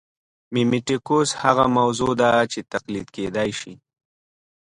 میمیټیکوس هغه موضوع ده چې تقلید کېدای شي